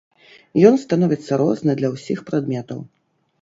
Ён становіцца розны для ўсіх прадметаў.